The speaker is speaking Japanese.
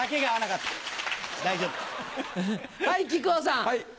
はい、木久扇さん。